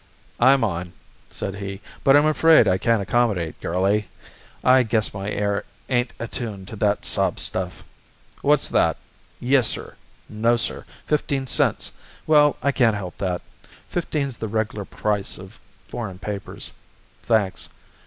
"I'm on," said he, "but I'm afraid I can't accommodate, girlie. I guess my ear ain't attuned to that sob stuff. What's that? Yessir. Nossir, fifteen cents. Well, I can't help that; fifteen's the reg'lar price of foreign papers. Thanks.